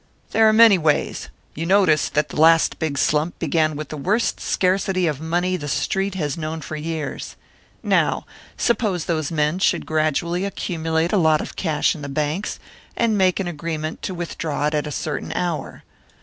"There are many ways. You noticed that the last big slump began with the worst scarcity of money the Street has known for years. Now suppose those men should gradually accumulate a lot of cash in the banks, and make an agreement to withdraw it at a certain hour.